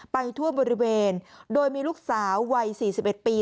ทั่วบริเวณโดยมีลูกสาววัย๔๑ปี